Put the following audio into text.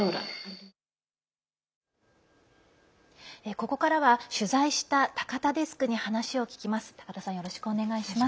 ここからは取材した高田デスクに話を聞きます。